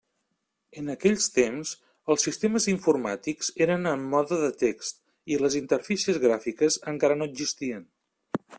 En aquells temps, els sistemes informàtics eren en mode de text i les interfícies gràfiques encara no existien.